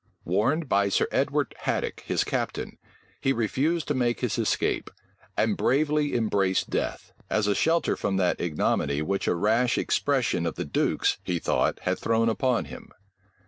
Warned by Sir Edward Haddock, his captain, he refused to make his escape; and bravely embraced death, as a shelter from that ignominy which a rash expression of the duke's, he thought, had thrown upon him.